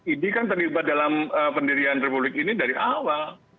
idi kan terlibat dalam pendirian republik ini dari awal